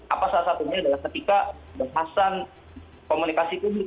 apa salah satunya adalah ketika bahasan komunikasi publik